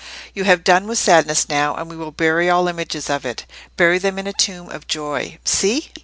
You have done with sadness now; and we will bury all images of it—bury them in a tomb of joy. See!"